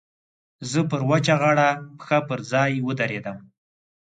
زه پر وچه غاړه پښه پر ځای ودرېدم.